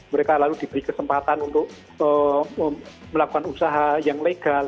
mereka lalu diberi kesempatan untuk melakukan usaha yang legal